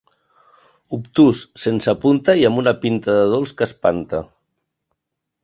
Obtús, sense punta i amb una pinta de dolç que espanta.